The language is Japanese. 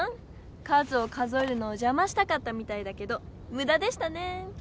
数を数えるのをじゃましたかったみたいだけどむだでしたねぇ！